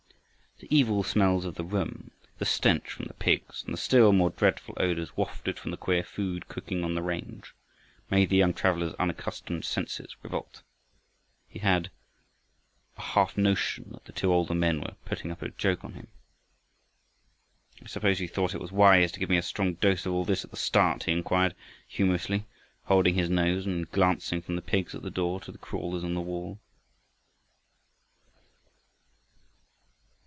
The evil smells of the room, the stench from the pigs, and the still more dreadful odors wafted from the queer food cooking on the range, made the young traveler's unaccustomed senses revolt. He had a half notion that the two older men were putting up a joke on him. "I suppose you thought it wise to give me a strong dose of all this at the start?" he inquired humorously, holding his nose and glancing from the pigs at the door to the crawlers on the wall.